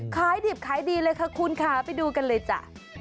ขายดิบขายดีเลยค่ะคุณค่ะไปดูกันเลยจ้ะ